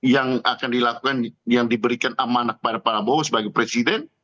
yang akan dilakukan yang diberikan amanah pada prabowo sebagai presiden